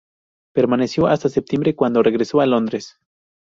Permaneció hasta septiembre cuando regresó a Londres.